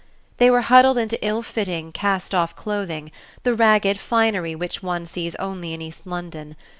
They were huddled into ill fitting, cast off clothing, the ragged finery which one sees only in East London.